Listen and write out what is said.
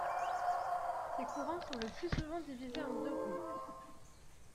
Ces courants sont le plus souvent divisés en deux groupes.